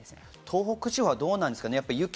東北地方はどうなんですか？